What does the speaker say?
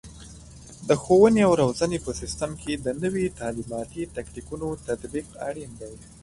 د ښوونې او روزنې په سیستم کې د نوي تعلیماتي تکتیکونو تطبیق اړین دی.